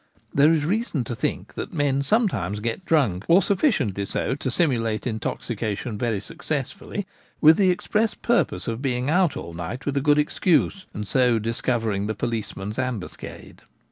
There is reason to think that men sometimes get drunk, or sufficiently so to simulate intoxication very successfully, with the express purpose of being out all night with a good excuse, and so discovering the policeman's ambuscade.